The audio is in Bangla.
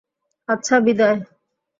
আচ্ছা, বিদায়।